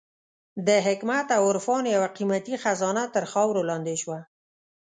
د حکمت او عرفان یوه قېمتي خزانه تر خاورو لاندې شوه.